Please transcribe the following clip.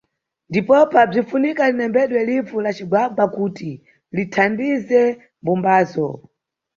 Ndipopa, bzinʼfunika linembedwe livu la cigwagwa kuti lithandize mbumbazo.